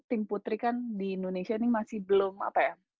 tim putri kan di indonesia ini masih belum apa ya